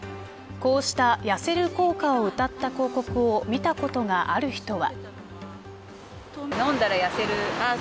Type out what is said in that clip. こうした、痩せる効果をうたった広告を見たことがある人は。